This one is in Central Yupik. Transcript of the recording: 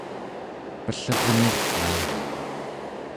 pellerniraa